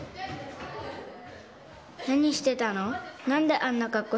何してたの？